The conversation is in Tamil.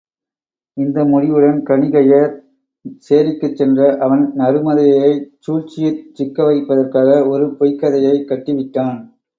இந்த முடிவுடன் கணிகையர் சேரிக்குச் சென்ற அவன் நருமதையைச் சூழ்ச்சியிற் சிக்கவைப்பதற்காக ஒரு பொய்க் கதையைக் கட்டிவிட்டான்.